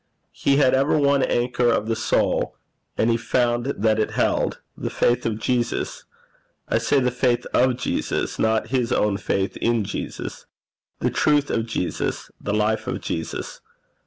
He had ever one anchor of the soul, and he found that it held the faith of Jesus (I say the faith of Jesus, not his own faith in Jesus), the truth of Jesus, the life of Jesus.